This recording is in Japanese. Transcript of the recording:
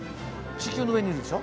地球の上にいるでしょ？